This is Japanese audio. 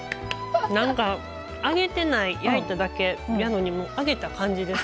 揚げてない焼いただけやのに揚げた感じです